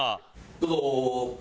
どうぞ！